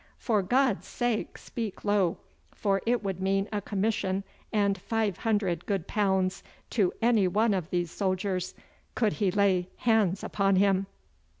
For God's sake speak low, for it would mean a commission and five hundred good pounds to any one of these soldiers could he lay hands upon him.